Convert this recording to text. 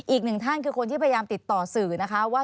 อีกหนึ่งท่านคือคนที่พยายามติดต่อสื่อนะคะว่า